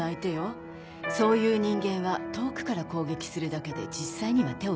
そういう人間は遠くから攻撃するだけで実際には手を出さない。